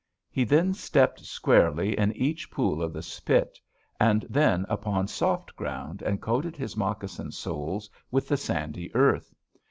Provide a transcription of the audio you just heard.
He then stepped squarely in each pool of the spit and then upon soft ground, and coated his moccasin soles with the sandy earth.